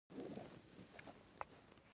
ته د پټولو دپاره ډېر څه نه لرې.